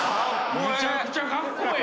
むちゃくちゃカッコエエ！